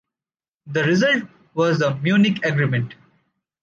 The result was the Munich Agreement.